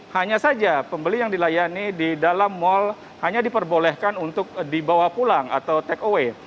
hanya saja pembeli yang dilayani di dalam mal hanya diperbolehkan untuk dibawa pulang atau take away